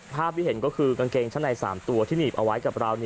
ภาพที่เห็นก็คือกางเกงชั้นใน๓ตัวที่หนีบเอาไว้กับเรา